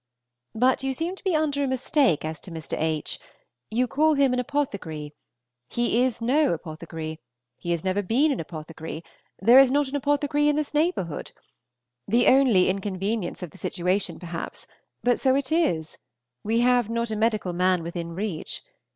But you seem to be under a mistake as to Mr. H. You call him an apothecary. He is no apothecary; he has never been an apothecary; there is not an apothecary in this neighborhood, the only inconvenience of the situation, perhaps, but so it is; we have not a medical man within reach.